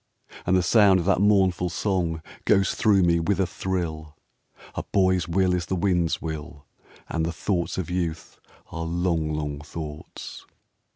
And the sound of that mournful song Goes through me with a thrill: "A boy's will is the wind's will, And the thoughts of youth are long, long thoughts.'